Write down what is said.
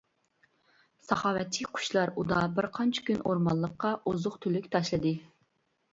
ساخاۋەتچى قۇشلار ئۇدا بىرقانچە كۈن ئورمانلىققا ئوزۇق-تۈلۈك تاشلىدى.